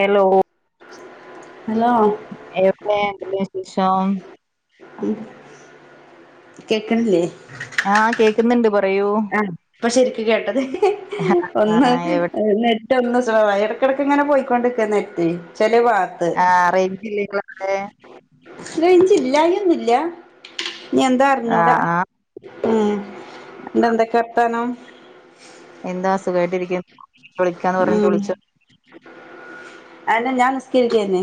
Hello hello എവിടെ അ വിശേഷം ഉം കേക്ക്ണില്ലേ ആഹ് കേൾക്കുന്നുണ്ട് പറയൂ ആഹ് ഇപ്പൊ ശരിക്ക് കേട്ടത് ഒന്ന് ആഹ് എവിടെ നെറ്റ് ഒന്ന് സ്ലോ ആയേ ഇടക്കിടക്ക് ഇങ്ങനെ പോയിക്കൊണ്ടിരിക്കാന്ന് നെറ്റ് ചെലഭാ ആഹ് റേയിഞ്ചില്ലേ നിങ്ങടെ അവിടെ കഴച്ചില്ല ഇില്ലായൊന്നുമില്ല ഇനി എന്താ അറിഞ്ഞൂടാ ആഹ് ആഹ് ആഹ് പിന്നെ എന്തെക്കെ വർത്താനം എന്താ സുഖായിട്ടിരിക്ക് ഉം ഞാൻ നിസ്കരിക്കയാരിന്നേ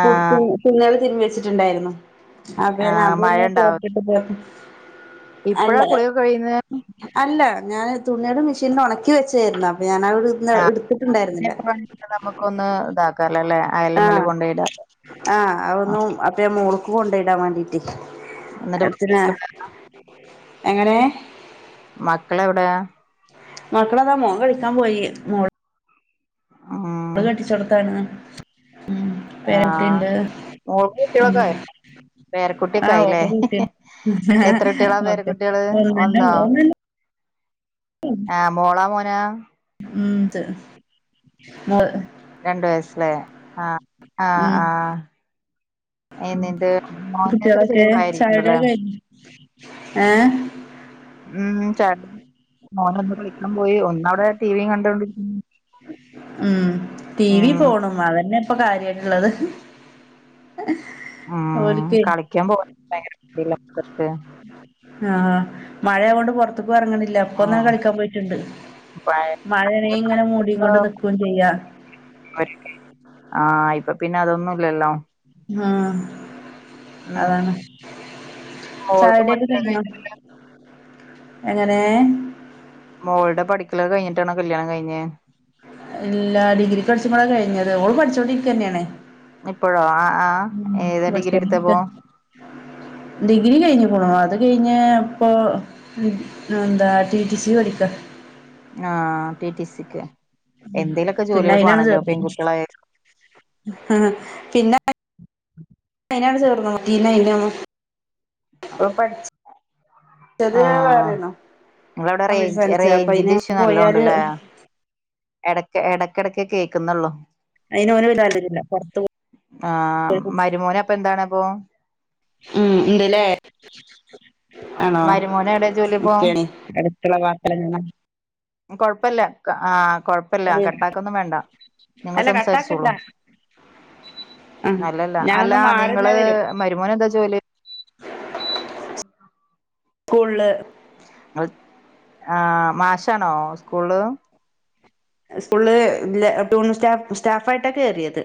പു പു പുന്നാര തിരുമാനിച്ചിട്ടുണ്ടായിരുന്നോ അതെ ആഹ് അത് മഴ തന്നെ ഉണ്ടാവും കേട്ടിട്ട് പോട്ട്‌ ഇപ്പഴാ കുളിയൊക്കെ കഴിയുന്നേ അല്ല ഞാന് തുണിയുടെ മെഷീനിന് ഒണക്കി വെച്ചായിരുന്നു അപ്പൊ ഞാൻ ആ ഒരു ആഹ് പിന്നെ നമ്മുക്കൊന്ന് ഇതാക്കാല്ലോ അല്ലെ അയലമേല് ആഹ് കൊണ്ടിയിടാം ആഹ് അതൊന്നും അപ്പെ മോൾക്ക് കൊണ്ടിയിടാൻ വേണ്ടിട്ടിട്ട് എന്നിട്ട് അടുത്തിനാ മക്കളെവിടെ എങ്ങനെ മക്കളെവിടെയാ മക്കളെതാ മോൻ കളിക്കാൻ പോയി മോൾ ഉം അവള് കെട്ടിച്ച് കൊടുത്താണ് ഉം ആഹ് പേരകുട്ടിയിണ്ട് മോൾക്ക് ഉം കുട്ടികളൊക്കെ ആയോ പേരക്കുട്ടിയൊക്കെ ആഹ് ആയില്ലേ ഓക്കെ കുട്ടിയുണ്ട് എത്ര കുട്ടികളാ ഓക്കെ പേരക്കുട്ടികള് പിന്നെ പിന്നെയെന്തുവാ ഒന്നോ ഒന്നുമില്ല ആഹ് മോളോ മോനോ ഉം മോള് രണ്ട് വയസല്ലെ ആ ആഹ് ഉം ആഹ് ഏയ് നിന്റെ മോന്റെ എത്ര ചെറിയ കുട്ടികളൊക്കെ പ്രായമായിരിക്കുമല്ലേ ചായുടിയൊക്കെ കഴിഞ്ഞോ ഏഹ് ഉം ചേട്ട മോൻ ഒന്ന്‌ കളിക്കാൻ പോയി ഒന്നവിടെ ടിവിയും കണ്ടൊണ്ടിരിക്കുന്നു ഉം ടിവിയും ഉം ഫോണും അതന്നെ എ ഇപ്പൊ കാര്യായിട്ടുള്ളത് ഉം ഓൽകെ കളിക്കാൻ പോവാൻ ഭയങ്കര മടിയല്ലേ മക്കൾക്ക് ആഹ് മഴകൊണ്ട് പൊറത്തേക്ക് എറങ്ങണില്ല ലെപ്പൊന്ന് ഉം കളിക്കാൻ പോയിട്ടുണ്ട് പഴയൊക്കെ മഴണെങ്കില് ഇങ്ങനെ മൂടികൊണ്ട് നിക്കെയും ചെയ്യാ വരട്ടെ ആഹ് ഇപ്പൊപ്പിന്നെ അതൊന്നുയില്ലല്ലോ ആഹ് അതാണ് മോൾക്ക് ചായാക്കുടി ഒക്കെ പഠിക്കല് കയിഞ്ഞോ കഴിഞ്ഞിട്ടില്ല എങ്ങനെ മോൾടെ പഠിക്കലെക്കെ കഴിഞ്ഞിട്ടാണോ കല്യാണം കഴിഞ്ഞേ ഇല്ല ഡിഗ്രിക്ക് പഠിച്ചുമ്പോളാ കഴിഞ്ഞത് ഓള് പഠിച്ചോണ്ടിരിക്ക തന്നെയാണ് ഇപ്പോഴോ ആഹ് ആഹ് ഏതാ ഡിഗ്രി പഠിച്ചോണ്ടിരിക്ക എടുത്തെപ്പോ ഡിഗ്രി കഴിഞ്ഞിക്കുണു അത് കഴിഞ്ഞ് ഇപ്പൊ ആഹ് എന്താ ടിടിസി പഠിക്കാ ആഹ് ടി ടി സിക്ക് എന്തേലുക്കെ പിന്നെ ജോലികളൊക്കെ വേണോല്ലോ പെൺകുട്ടികളായാല് ആഹ് പിന്നെ ഉം ചോർന്നൂറ്റിന്നെയ്നു ഓൻ പഠിച്ച് [inaudible] ആഹ് ഇങ്ങളവിടെ കമ്പ്യൂട്ടർ റേയ്ഞ്ച് സയൻസ് അപ്പൊ അയിന് റേയ്ഞ്ചിന്റെ ഇഷ്യൂ നല്ലോ പോയാല് ഉണ്ടല്ലേ എടക്ക് എടക്കെടക്കെ കേക്കുന്നുള്ളൂ അയിന് ഓന് വല്യ താല്പര്യല്ല പൊറത്ത് ആഹ് മരുമോനപ്പൊ എന്താണപ്പോ ഉം ഇണ്ട്ല്ലേ ആണോ മരുമോന് എവിടെ ജോലിപ്പോ ഇക്കെയാണ് അടുത്തുള്ള വാർത്തലിങ്ങനെ കൊഴപ്പല്ല ആ കൊഴ കൊയപ്പല്ല കട്ടാക്കൊന്നും വേണ്ട നിങ്ങൾ അല്ല കട്ടാക്കണ്ട സംസാരിച്ചോളൂ ആ അല്ലല്ല അല്ല ഞാനൊന്ന് മാറിന്നാ നിങ്ങള് വരും മരുമോനെന്താ ജോലി. [inaudible] സ്ക്കൂള്. ആ മാഷാണോ സ്കൂളില്. സ്കൂള് ഇല്ല പ്യൂൺ സ്റ്റാഫായിട്ടാ കേറിയത്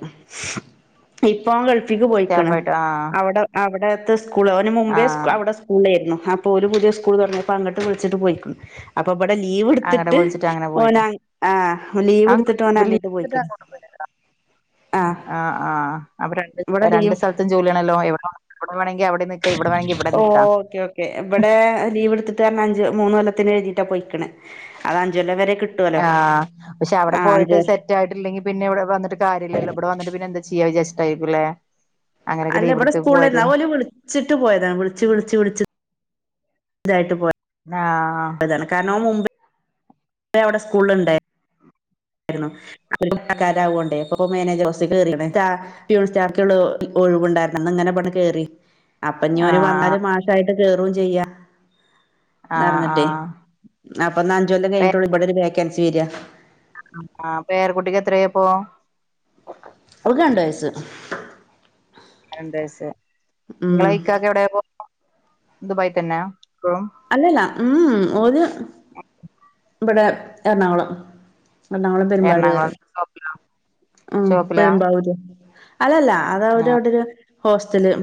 ഇപ്പോ ഓൻ ഗൾഫി ത്തിക്ക് പോയിക്ക്ണ് സ്റ്റാഫായിട്ട് ആ അവടെ അവിടത്തെ സ്കൂള് ഓന് ആ മുമ്പേ അവിടെ സ് സ്കൂളിലെയിരുന്നു അപ്പോ ഓല് പുതിയ സ്കൂൾ തുടങ്ങിയെപ്പോ അങ്ങട്ട് വിളിച്ചിട്ട് പോയിക്കുണു. അപ്പൊ ഇവിടെ ലീവ് അങ്ങടെ എടുത്തിട്ട് വിളിച്ചിട്ട് അങ്ങനെ പോയിട്ടോ ഓന് ആ ലീവ് എടുത്തിട്ട് ഓന്ങ്ങോട്ട് പോയിക്ക്ണ്. ആഹ് ആഹ് അപ്പോ രണ്ട് ഇവിടെ രണ്ട് ലീവ് സ്ഥലത്തും ജോലിയാണല്ലോ എവിടെ അവിടെ വേണെങ്കി അവിടെ നിക്കാ ഇവിടെ വേണങ്കി ഇവിടെ നിക്കാം. ഓ ഓക്കെ ഓക്കെ ഇവിടെ ലീവ് എടുത്തിട്ട് കാരണം അഞ്ച് മൂന്നൊല്ലത്തിനാ എഴുതീട്ടാ പോയിക്ക്ണ്. അത് അഞ്ചൊല്ലം വരെ കിട്ടോ. ആ പക്ഷെ അവിടെ പോയിട്ട് സെറ്റ് റ്റായിട്ടില്ലെങ്കിൽ പിന്നെ ഇവിടെ വന്നിട്ട് കാര്യല്ലല്ലോ ഇവിടെ വന്നിട്ട്‌ പിന്നെ എന്താ ചെയ്യാ വിജാരിച്ചിട്ടായിരിക്കൂലല്ലെ. അല്ല ഇവിടെ സ്കൂളിലേർന്ന് അതോല് വിളിച്ചിട്ട് പോയതാ വിളിച്ച് വിളച്ച് വിളിച്ച്. ഇതായിട്ട് പോയതാ ആഹ് ഇപ്പതാണ് കാരണം ഓൻ മുമ്പേ അവിടെ സ്കൂളുണ്ടെ ന്നു ഒരേ മതക്കാരാവോണ്ടേ അപ്പൊ മേനേജർ റോസി കേറിന്നു പ്യൂൺ സ്ഥാഫ്ക്കിള്ള ഒഴിവുണ്ടായിരുന്നു അന്ന് ഇങ്ങനെ ഇബടന്ന് കേറി. അപ്പോഞ്ഞോന് ആഹ് വന്നാല് മാഷായിട്ട് കേറും ചെയ്യാ. ആഹ് ന്നറഞ്ഞിട്ടേ ആഹ് അപ്പൊ ന്ന അഞ്ചൊല്ലം കഴിഞ്ഞിട്ടൊള്ളൂ ഇവിടൊരു വേക്കൻസി വെരാ. ആ അപ്പ പേരകുട്ടിക്ക് എത്രയി അപ്പോ ഓക്ക് രണ്ട് വയസ്സ്. രണ്ട് വയസ് ഉം നിങ്ങളെക്കാക്ക എവിടെപ്പോ ദുബായിത്തെന്നെ ഇപ്പോഴും. അല്ലല്ല ഉം ഉം ഓല് ഇബടെ എറണാകുളം. എറണാകുളം പെരുമ്പാവൂർ എറണാകുളം പറയും ഉം ഷോപ്പിലാ പെരുമ്പാവൂര് അല്ലല്ല അത് അവര് ആഹ് അവിടെ ഒരു ഹോസ്റ്റല്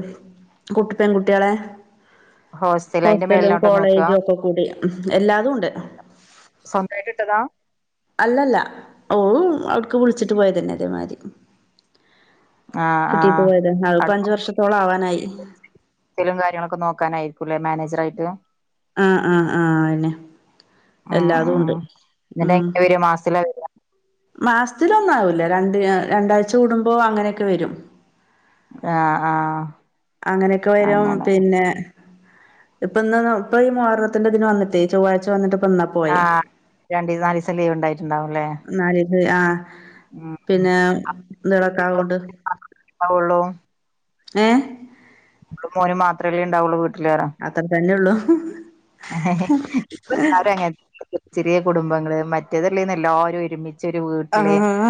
കുട്ടി പെൺകുട്ടികളെ ഹോസ്‌റ്റല് അതിന്റെ ഹോസ്റ്റലും മേൽനോ കോളേജും ഒക്കെ കൂടി മ് ഹ് എല്ലാതും ഉണ്ട്. സ്വന്തായിട്ട് ഇട്ടതാ അല്ലല്ല ഓ അവിടുക്ക് വിളിച്ചിട്ട് പോയതന്നെ അതേമാതിരി. ആഹ് കിട്ടീട്ട് ആഹ് പോയത് അത് ഇപ്പോ അഞ്ച്‌ വർഷത്തോളം ആവാനായി. ക്കലും കാര്യങ്ങളൊക്കെ നോക്കാനായിരിക്കുല്ലേ മാനേജർ ആയിട്ട്. ആഹ് ആഹ് ആഹ് അതെന്നെ ഉം എല്ലാതും ഉണ്ട് ഉം എന്നിട്ടങ്ങനെ ഒരു മാസത്തില മാസത്തിലൊന്നാവൂല്ല രണ്ട് രണ്ടാഴ്ച കൂടുമ്പോ അങ്ങനെയൊക്കെ വരും. ആഹ് ആഹ് അങ്ങനെയൊക്കെ വരും. അങ്ങനെ പിന്നെ ഇപ്പൊ ഇന്നാണ് ഇപ്പൊ മുഹറത്തിന്റെ തിന്‌ വന്നിട്ടേ ചൊവ്വാഴ്ച വന്നിട്ട് ഇപ്പൊ ഇന്നാ പോയേ. രണ്ട് നാല് ദിവസം ലീവ് ഉണ്ടായിട്ടുണ്ടാവും അല്ലേ പിന്നെന്ത്ളക്കാവ കൊണ്ട് ആവ്ള്ളോ ഏഹ് ഇങ്ങളും മോനും മാത്രല്ലേ ഉണ്ടാവുള്ളൂ. വീ ക്ലിയറാ അത്ര തന്നെ ഉള്ളു ഏഹ് ഇപ്പ എല്ലാരുംഅങ്ങേൻ തന്നെ ചെറിയ കുടുംബങ്ങള് മറ്റേതല്ലേന്ന് എല്ലാവരും ഒരുമി ആഹഹാ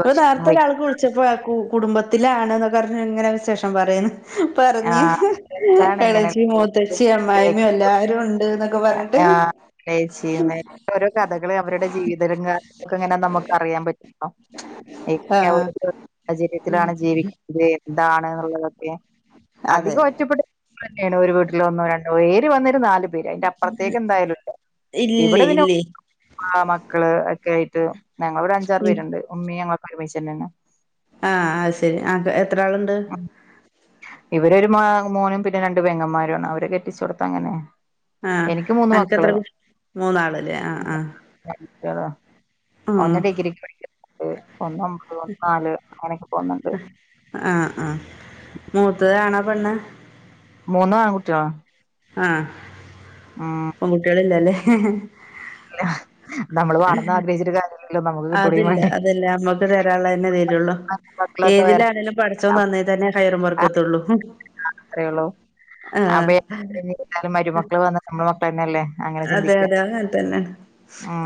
ഭക്ഷണം നേരത്തെ വെ ഒരാൾക്ക് വിളി ച്ചപ്പോ ആ കു കുടുംബത്തിലാണ് എന്നൊക്കെ പറഞ്ഞ് ഇങ്ങനെ വിശേഷം പറയുന്ന് പറഞ്ഞ് ആഹ് രസാണ് ഇങ്ങനെ എളച്ചി മൂത്തച്ചി അമ്മായിമ്മയും എല്ലാരും ഉണ്ട്ന്ന് ആഹ് കയ്ചെയ്യുന്ന ഓരോ കഥകളും അവരുടെ ജീവിത രംഗ ത്തക്കെ എങ്ങനെ നമുക്ക് അറിയാൻ പറ്റും ഏറ് ആഹ് ഓരോ സാഹചര്യത്തിലാണ് ജീവിക്ക്‌ വേ എന്താണ് എന്നുള്ളതൊക്കെ അതെ അധികം ഒറ്റപ്പെടു തന്നെയാണ് ഒരു വീട്ടില്‌ ഒന്നോ രണ്ടോ ഏര് വന്നൊരു നാല് പേര് അതിന്റെപ്പ പൊറത്തെക്ക് എന്തായാലും ഇല്ല ഇവിടെ ഇല്ലേ വിനോ ഇല്ലേ ആഹ് മക്കള് ഒക്കെ ആയിട്ട് ഞങ്ങളിവിടെ അഞ്ചാറ് ഉം പേരുണ്ട് ഉമ്മിയും ഞങ്ങളെക്കെ ഒരുമിച്ച് തന്നെയാണ് ആഹ് അത് ശരി ആ എത്ര ആളുണ്ട് ഇവരരു മോ മോനും പിന്നെ രണ്ട് പെങ്ങന്മാരണ് അവരെ കെട്ടിച്ചോട്ത് അങ്ങനെ ആഹ് എനിക്ക് മൂന്ന് മക്കള് അനക്ക്ത്ര കു മൂന്നാളല്ലേ ആഹ് ആഹ് മറ്റേതോ ആഹ് ഒന്ന് ഡിഗ്രിക്ക് പടിക്കു എ ഒന്നും അത് ഒന്നാല് അങ്ങനെയൊക്കെ പോന്നുണ്ട് ആഹ് ആഹ് മുത്തതാണോ പെണ്ണ് മുന്ന് ആങ്ങുട്ടികളാ ആഹ് ഉം പെൺ കുട്ടികളില്ലല്ലേ ല്ല നമ്മള് വാണന്ന് ആഗ്രഹിച്ചട്ട് കാര്യം അതില്ല അതല്ല നമ തരാനുള്ള തന്നെ തരുള്ളൂ മക്കളൊക്കെ ഏതിലാ വരട്ടെ ആണേലും പടച്ചോ നന്നേ തന്നെ ഹൈറ മറക്കത്തുള്ളൂ അത്രേ ഉള്ളൂ അപ്പയേ ഇനി എന്തായാലും മരുമക്കൾ വന്ന് നമ്മൾ മക്കൾ തന്നെയല്ലേ അങ്ങനെ അതെ ചിന്തിക്കുക അതെ അങ്ങനെ തന്നെയാണ്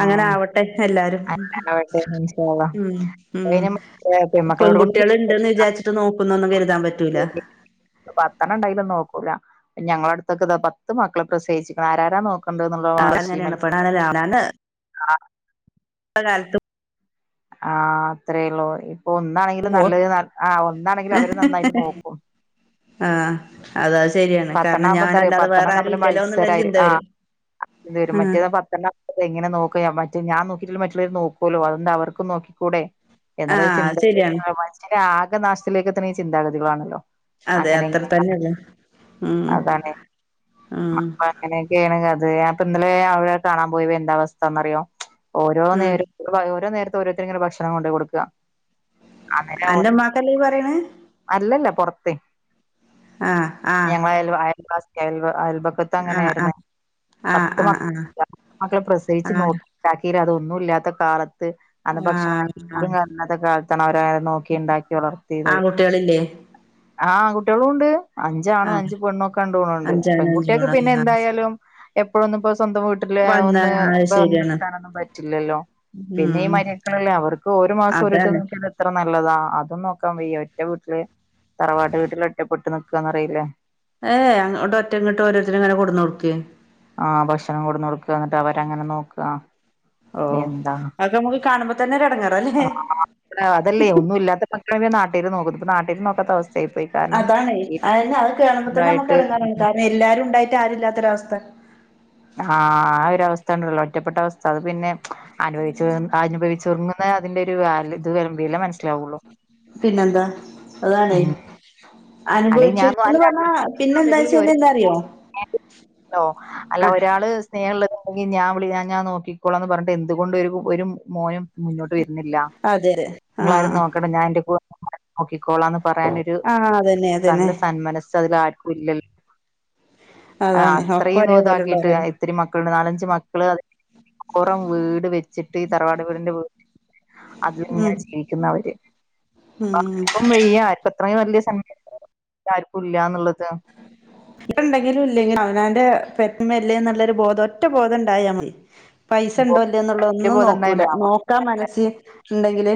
അങ്ങനെ ആവട്ടെ എല്ലാരും അങ്ങനാവട്ടെ ഇൻഷാഅള്ളാ ഉം ഉം അയിന് മറ്റേ പെൺമക്കളോട് കൊണ്ട് പെൺകുട്ടിക ണ്ടന്ന് വിചാരിച്ചിട്ട് നോക്കുന്നുന്ന് കരുതാം പ [inaudible] പത്തണ്ണം ഉണ്ടായാലും നോക്കൂല ഞങ്ങള അടുത്തൊക്കെ ദാ പത്ത് മക്കളെ പ്രസേഹിച്ച് ആരാര നോ കൊണ്ടുന്നുള്ള വാശി അങ്ങനെയാണ് മല് ഇപ്പ [unintelligible] ആഹ് അത്രേയുള്ളൂ ഇപ്പൊ ഒന്നാണെങ്കിലും പോ നല്ലത് ആഹ് ഒന്നാണെങ്കിലും അവര് നന്നായിട്ട് നോക്കും ആഹ് അത് ശരിയാണ് പത്തെണ്ണം കാരണം ആവുമ്പോ ഞാൻ എന്താറിയോ അല്ലാതെ വേറെ ആരും ഇല്ലല്ലോ എന്നുള്ളരു ചിന്ത വരും അത് വരും മറ്റേത് ആഹ് പത്തെണ്ണം അത് എങ്ങനെ നോക്ക മറ്റേ ഞാൻ നോക്കിട്ട്ഇല്ലങ്കിൽ മുള്ളവർ നോക്കല്ലോ അതോണ്ട് അവർക്ക് നോക്കിക്കൂടെ എന്ന ആഹ് അത് ചിന്താഗതി ശരിയാണ് ആകെനാശത്തിലേക്ക് എത്തുന്നത് ഈ ചിന്താഗതികളാണല്ലോ അതെ അങ്ങനെ അത്ര ഇങ്ങനെ തന്നെയുള്ളൂ അതാണ് ഉം [unintelligible] അങ്ങനെയൊക്കെയാണ് അത് ഞാനിപ്പ ഇന്നലെ അവിടെ കാണാൻ പോയപ്പോ എന്താ അവസ്ഥാന്ന് അറിയോ ഓരോ ഉം നേര [unintelligible] ഓരോ നേരത്ത് ഓരോര്ത്തര് ഇങ്ങനെ ഭക്ഷണം കൊണ്ട് കൊടുക്കുക അങ്ങനെ അന്റെ ഓരോ ഉമ്മാക്കല്ലേ ഈ പറയണെ അല്ലല്ല പൊറത്ത് ആഹ് ആഹ് ഞങ്ങള അയൽവാ അയൽവാസി അയൽ വ അയൽ ബക്ക ത്ത് ആഹ് അങ്ങനെയായിരുന്ന് ആഹ് പത്ത് ആഹ് ആഹ് [unintelligible] മക്കളെ പ്രസവിച്ചു ആഹ് ആഹ് നോക്കി ഉണ്ടാക്കീല അതൊന്നും ഇല്ലാത്ത കാലത്ത് അന്ന് ഭക്ഷണ ആഹ് [unintelligible] ആഹ് കണാത്ത കാലത്താണ് അവര് അവരെ നോ ക്കി ഇണ്ടാക്കി വളർത്തിയത് ആൺകുട്ടികളില്ലേ ആഹ് ആൺ കുട്ട്യളും ഉണ്ട് അഞ്ച് ആണും ആഹ് അഞ്ച് പെണ്ണും ഒക്കെ ഉണ്ട് തോന്നണുണ്ട് അഞ്ചാണ് പെൺകുട്ട്യക്ക് അഞ്ചൂണ് പിന്നെ ആഹ് എന്തായാലും എപ്പോഴൊന്നും ഇപ്പോ സ്വന്തം വീ ട്ടില് വന്ന ഒന്ന് [unintelligible] അത് വന്ന് ശരിയാണ് നിക്കാനൊന്നും പറ്റില്ലല്ലോ പിന്നെ ഈ ഉം മരു മക്കളല്ലേ അവർക്ക് ഒരോ മാസം ഒരോര്ത്തര് അതാണ് നോക്കി നട ത്ര നല്ലതാ അതും നോക്കാൻ വയ്യ ഒറ്റ വീട്ടില് തറവാട്ട് വീട്ടില് ഒറ്റപ്പെട്ട് നിക്കാന്ന് പറയില്ലേ ഏഹ് അങ്ങോട്ട് ഒറ്റ ഇങ്ങോട്ട് ഓരോരുത്തര് ഇങ്ങനെ കൊടുന്ന് കൊടുക്കേ ആഹ് ഭക്ഷണം കൊടുന്ന് കൊടുക്കുക എന്നിട്ട് അവരങ്ങനെ നോക്കുക ഓഹ് എന്താ അതൊക്കെ നമുക്ക് കാണുമ്പ തന്നെ ഒരു എടങ്ങേറ അല്ലേ ഏഹ് അതല്ലേ ഒന്നും ഇല്ലാത്ത [unintelligible] നാട്ടാര് നോക്കും ഇതിപ്പോ നാട്ടാര് നോ അതണെ അതന്ന അത് കേണുമ്പോ തന്നെ നമുക്ക് വീട്ടിലുണ്ടായിട്ട് എടങ്ങേറാണ് [unintelligible] എല്ലാരും ഉണ്ടായിട്ട് ആരില്ലാത്തൊരവസ്ഥ ആഹ് ആ ഒരു അവസ്ഥ ഉണ്ടല്ലോ ഒറ്റപ്പെട്ട അവസ്ഥ അത് പിന്നെ അനുഭവിച്ച അനുഭവിച്ചുറങ്ങുന്നെ അതിന്റെ ഒരു [unintelligible] ഇത് വില മനസ്സിലാവുള്ളു പിന്നെന്താ അതാണെ അല്ലെ ഞാൻ അനുഭവിച്ചോർക്ക്ന്ന് അല്ല പറഞ്ഞാ പിന്നെ എന്താ ആളുകളിൽ വെച്ചാല് എന്താറിയോ [unintelligible] അല്ല ഒരാള് സ്നേഹള്ളങ്കിൽ ഞാൻ വിളി ഞാ ഞാൻ നോക്കിക്കോളാം എന്ന് പറഞ്ഞിട്ട് എന്തുകൊണ്ട് ഒരു ഒരു മോനും മുന്നോട്ട് വരുന്നില്ല അതെ അതെ നിങ്ങളാരും ആഹ് നോക് [unintelligible] ഞാൻ എന്റെ കൂടെ നോക്കിക്കോളാംന്ന് പറയാനൊരു ആഹ് അതന്നെ അതന്നെ നല്ല സന്മനസ്സ് അതിൽ ആർ ക്കുംല്ലല്ല് ആഹ് അതാണ് ഒക്കെ ഒരേ അത്രയൊന്നും ഇതാക് ക്കിയിട്ട് പോലെയുള്ളവരാണ് ഇത്തിരി മക്കളുണ്ട് നാലഞ്ച് മക്കള് അത് അപ്പറം വീട് വെച്ചിട്ട് ഈ തറവാട് വീടിന്റെ വ് ഉം അതിലിങ്ങനെ ജീവിക്കുന്നവര് ഉം [unintelligible] ഈ ആശുപത് അത്രയും വല്യ സന്മനസ്സ് ആർക്കും ഇല്ല എന്നുള്ളത് [unintelligible] ഇണ്ടങ്കിലും ഇല്ലെങ്കിലും അവനവന്റെ പെറ്റമല്ലേ എന്നുള്ളൊരു ബോധം ഒറ്റ ബോധം ഉണ്ടായ മതി പൈസ ഇണ്ടോ ഇല്ലേന്നുള്ള ഒന്നും നോക്കൂല ബോധബോധണ്ടായ്മ നോക്കാൻ മനസ് ഇണ്ടെങ്കില്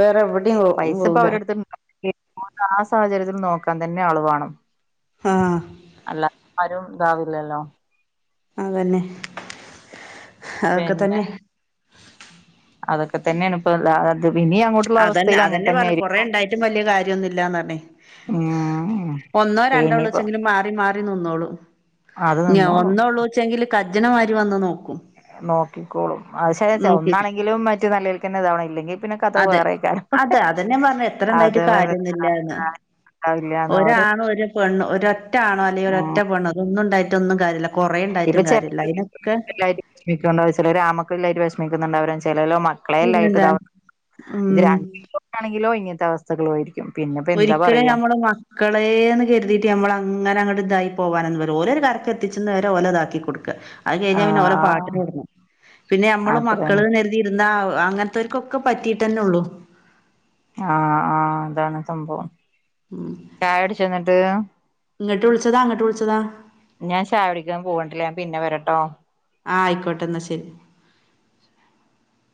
വേറെ എവിടേം നോ പൈസ ഇപ്പൊ പോവൂല അവരെടുത്ത് [unintelligible] ആ സാഹചര്യത്തിൽ നോക്കാൻ തന്നെ ആളുവേണം ആഹ് അല്ലതെ ആരും ഇതാവില്ലല്ലോ അതന്നെ അതൊക്കെ പിന്നെ തന്നെ അതക്ക തന്നെണ് ഇപ്പ എല്ലാര് ത് ഇനി അങ്ങോട്ടുള്ള അവസ്ഥേലും അങ്ങനെ തന്നെ ആയിരി കുറേ ഉണ്ടായിട്ടും വല്യ കാര്യം ഒന്നുംല്ലാന്ന് പറഞ്ഞു ഉം ഒന്നോ രണ്ടോ ഇനിയിപ്പോ ഉള്ളൊച്ചെങ്കിലും മാറി മാറി [unintelligible] നിന്നോളും അത് ഇഞ്ഞി നിന്നോളും ഒന്നേ ഉള്ളൂച്ചെങ്കില് കജ്ജ്ണ മാരി വന്ന് നോക്കും നോക്കിക്കോളും അത് ശരിയാ ച്ചാ നോക്കി ഒന്നാണെങ്കിലും മറ്റു നല്ലേൽക്കന്നെ ഇതാവണം ഇല്ലെങ്കി പിന്നെ കഥ അതെ വേറെക്കാരം അതെ അതന്നെ ഞാൻ പറഞ്ഞെ എത്ര ഇണ്ടായിട്ട് കാര്യൊന്നുല്ലാന്ന് അത്ണ്ടാവില്ലന്ന് പറയാ പെണ്ണു ഒരു ഒറ്റ ആണോ അല്ലെങ്കിൽ ഒരു ഒറ്റപെണ്ണോഅതൊന്നുണ്ടായിട്ടൊന്നും കാര്യല്ല കൊറേണ്ടായിട്ടും കാര്യല്ല അയ്നൊക്കെ എന്ക് എന്താന്ന് വെച്ചാൽ ഒരാൺമക്കൾ ഇല്ലായിട്ട് വിഷമിക്കുന്നുണ്ടാകും ചേലോൽ മ മക്കളെല്ലായിട്ട്താ പിന്നെന്താ അവസ്ഥ ഇത് ഉം രണ്ട് ആണെങ്കിലോ ഇങ്ങനത്തെ അവസ്ഥകളുയിരിക്കും പിന്നെ ഒരിക്കലും നമ്മുളെ മ ക്കളേന്ന് കരുതിയിട്ട് നമ്മള് അങ്ങനെ ങ്ങട്ട് ഇതായി പോകാനന്ന് വരും ഓലൊരു കരക്ക് എത്തിച്ന വരെ ഓലെ ഇതാക്കി കൊടുക്ക അത് കഴിഞ്ഞാൽ പിന്നെ ഓലെ ആഹ് പാട്ടിനു വിടണം. പിന്നെ നമ്മള് അത്രയാണ് മക്കള്ന്ന് കരു തി ഇരുന്ന അങ്ങനത്തെവർക്കൊക്കെ പറ്റിട്ട്ന്നെള്ളൂ ആഹ് ആഹ് അതാണ് സംഭവം ചായകുടിച്ചോന്നട്ട് ഇങ്ങട്ട് വിളിച്ചതാ അങ്ങട്ട് വിളിച്ചതാ ഞാൻ ചായകുടിക്കാൻ പോണ്ട്ട്ട്ല്ല ഞാൻ പിന്നെ വരട്ടോ ആഹ് ആയിക്കോട്ടെ ന്നാ ശരി